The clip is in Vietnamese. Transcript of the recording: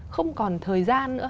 không còn thời gian nữa